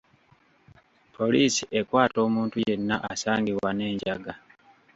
Poliisi ekwata omuntu yenna asangibwa n'enjaga.